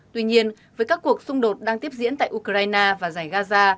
tuy nhiên với các cuộc xung đột đang tiếp diễn tại ukraine và giải gaza